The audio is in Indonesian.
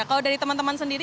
kalau dari teman teman sendiri